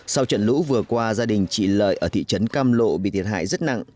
sau trận lũ vừa qua gia đình chị lợi ở thị trấn cam lộ bị thiệt hại rất nặng